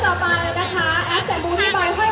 แล้วก็ให้ดูสดใสด้วย